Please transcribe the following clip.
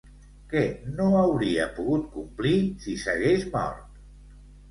Què no hauria pogut complir, si s'hagués mort?